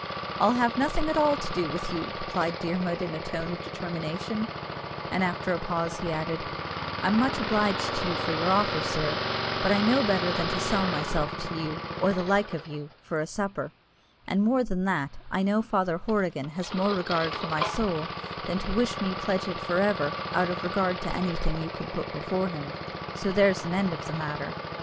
"I'll have nothing at all to do with you," replied Dermod in a tone of determination; and after a pause he added, "I'm much obliged to you for your offer, sir, but I know better than to sell myself to you, or the like of you, for a supper; and more than that, I know Father Horrigan has more regard for my soul than to wish me to pledge it for ever, out of regard to anything you could put before him so there's an end of the matter."